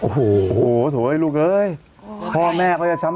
โห้ยสงสารอ่ะ